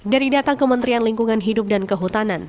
dari data kementerian lingkungan hidup dan kehutanan